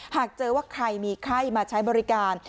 หากเจอว่าใครมีไข้มาใช้บริการ